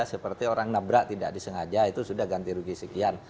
seperti orang nabrak tidak disengaja itu sudah ganti rugi sekian